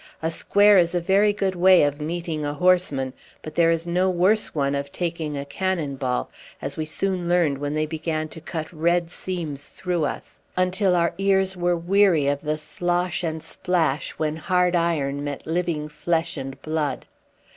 A square is a very good way of meeting a horseman, but there is no worse one of taking a cannon ball, as we soon learned when they began to cut red seams through us, until our ears were weary of the slosh and splash when hard iron met living flesh and blood.